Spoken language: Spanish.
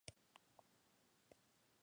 Grupo de Acción Psicológica.